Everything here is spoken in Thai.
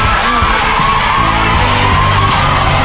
แม่แม่เอาเลยนะ